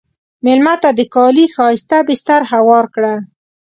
مېلمه ته د کالي ښایسته بستر هوار کړه.